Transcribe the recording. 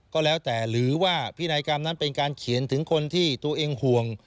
ก็แล้วแต่หรือว่าพินัยกรรมนั้นเป็นการเขียนถึงคนที่ตัวเองห่วง